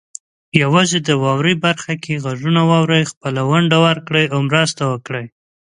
یوازې د "واورئ" برخه کې غږونه واورئ، خپله ونډه ورکړئ او مرسته وکړئ.